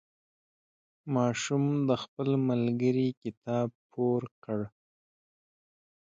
ماشوم د خپل ملګري کتاب پور کړ.